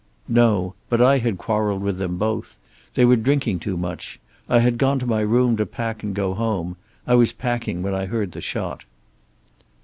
"No. But I had quarreled with them both. They were drinking too much. I had gone to my room to pack and go home. I was packing when I heard the shot."